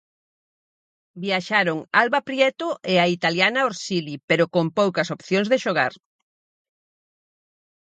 Viaxaron Alba Prieto e a italiana Orsili pero con poucas opcións de xogar.